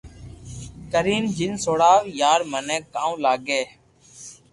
ڪرين جن سوڙاو يار مني ڪاو لاگي